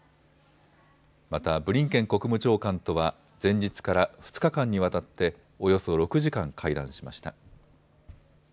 また、ブリンケン国務長官とは前日から２日間にわたっておよそ６時間会談しました。